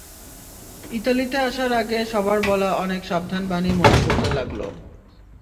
ইতালিতে আসার আগে সবার বলা অনেক সাবধান বাণী মনে পড়তে লাগল।